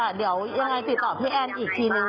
เดี๋ยวยังไงติดต่อพี่แอนอีกทีนึง